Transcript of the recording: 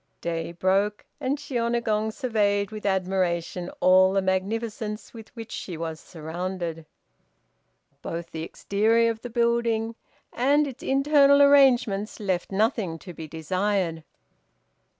Day broke, and Shiônagon surveyed with admiration all the magnificence with which she was surrounded. Both the exterior of the building and its internal arrangements left nothing to be desired.